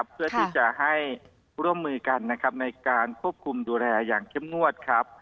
เพื่อที่จะให้ร่วมมือกันนะครับในการควบคุมดูแลอย่างเข้มงวดครับ